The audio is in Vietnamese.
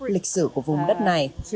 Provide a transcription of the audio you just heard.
lịch sử của vùng đất này